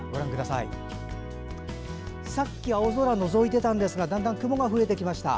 さっき、青空がのぞいていたんですがだんだん雲が増えてきました。